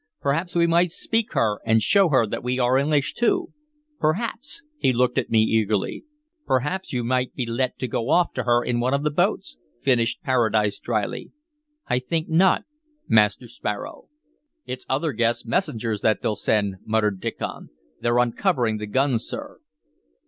Perhaps we might speak her and show her that we are English, too! Perhaps" He looked at me eagerly. "Perhaps you might be let to go off to her in one of the boats," finished Paradise dryly. "I think not, Master Sparrow." "It's other guess messengers that they'll send," muttered Diccon. "They're uncovering the guns, sir."